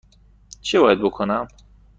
چه باید بکنم؟